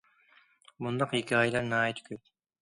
بۇنداق ھېكايىلەر ناھايىتى كۆپ.